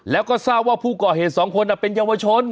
แล้วก็ทราบว่าผู้ก่อเหตุสองคนเป็นเยาวชน